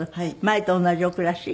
前と同じお暮らし？